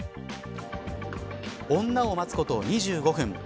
女を待つこと２５分。